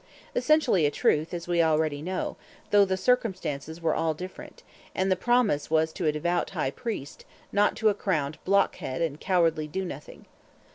Essentially a truth, as we already know, though the circumstances were all different; and the promise was to a devout High Priest, not to a crowned Blockhead and cowardly Do nothing.